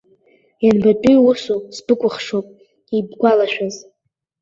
Ианбатәи усу, сбыкәыхшоуп, ибгәалашәаз!